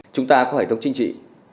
chúng ta có hệ thống chính trị